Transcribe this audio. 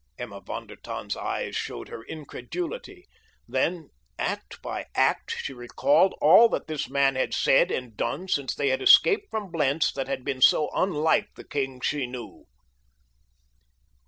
Emma von der Tann's eyes showed her incredulity; then, act by act, she recalled all that this man had said and done since they had escaped from Blentz that had been so unlike the king she knew.